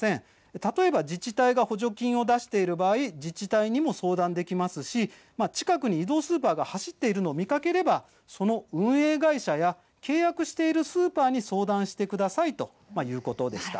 例えば自治体が補助金を出している場合、自治体にも相談できますし近くに移動スーパーが走っているのを見かければその運営会社や契約しているスーパーに相談してくださいということでした。